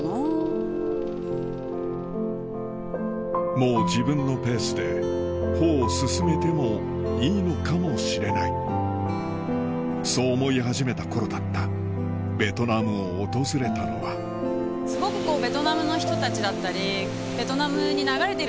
もう自分のペースで歩を進めてもいいのかもしれないそう思い始めた頃だったベトナムを訪れたのは思ったっていうか。